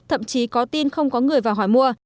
thậm chí có tin không có người vào hỏi mua